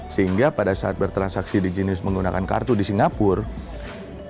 sehingga pada saat bertransaksi di jenus menggunakan kartu di singapura